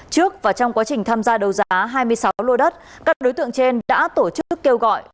trước và trong quá trình tham gia đấu giá hai mươi sáu lô đất các đối tượng trên đã tổ chức kêu gọi